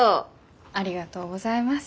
ありがとうございます。